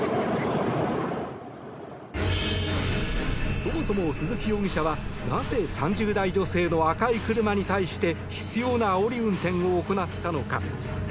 そもそも鈴木容疑者はなぜ３０代女性の赤い車に対して執ようなあおり運転を行ったのか。